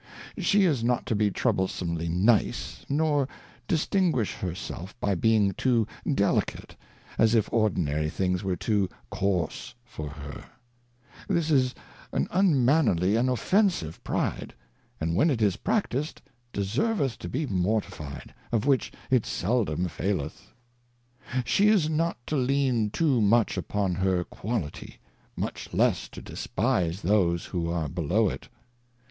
She is not to be troublesomly nice, nor distinguish her self by being too delicate, as if ordinary things were too coarse for her ; this is an unmannerly and an offensive Pride, and where it is practised, deserveth to be mortified, of which it seldom faileth. She is not to lean too much upon her Quality, much less to despise those who are below it.